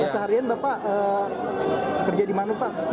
seharian bapak kerja di mana pak